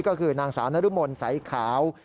ก็คือนางสาวนรมนสายขาว